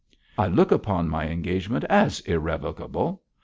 'I look upon my engagement as irrevocable!